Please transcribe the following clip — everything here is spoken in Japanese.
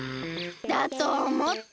だとおもった！